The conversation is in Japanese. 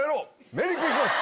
メリークリスマス！